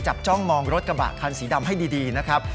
จ้องมองรถกระบะคันสีดำให้ดีนะครับ